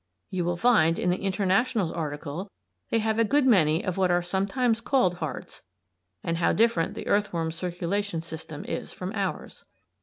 You will find in the "International's" article they have a good many of what are sometimes called "hearts," and how different the earthworm's circulation system is from ours.